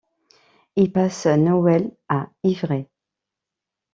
Il passe Noël à Ivrée.